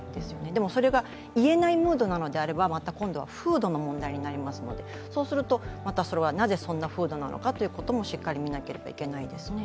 でも、それが言えないムードなのであればまた今度は風土の問題になりますので、そうするとなぜそんな風土なのかということもしっかり見ないといけないです。